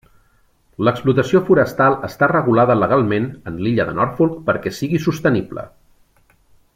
L'explotació forestal està regulada legalment, en l'illa de Norfolk, perquè sigui sostenible.